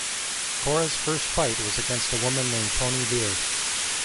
Cora's first fight was against a woman named Toni Lear.